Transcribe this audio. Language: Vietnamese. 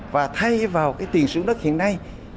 và thay vào cái tiền sử đất hiện nay